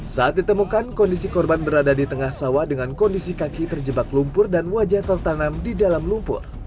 saat ditemukan kondisi korban berada di tengah sawah dengan kondisi kaki terjebak lumpur dan wajah tertanam di dalam lumpur